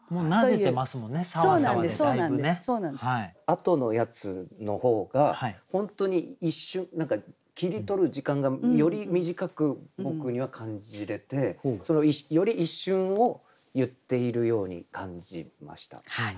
あとのやつの方が本当に一瞬何か切り取る時間がより短く僕には感じれてより一瞬を言っているように感じました。